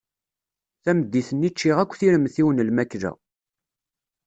Tameddit-nni ččiɣ akk tiremt-iw n lmakla.